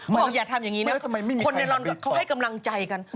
บอกอย่าทำอย่างนี้นะคนในลอนเขาให้กำลังใจกัน